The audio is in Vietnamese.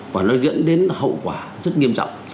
và nó dẫn đến hậu quả rất nghiêm trọng